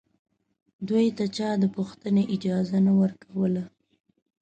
دوی ته چا د پوښتنې اجازه نه ورکوله